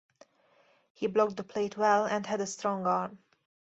He blocked the plate well and had a strong arm.